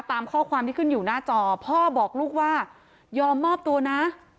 ตามข้อความที่ขึ้นอยู่หน้าจอพ่อบอกลูกว่ายอมมอบตัวนะ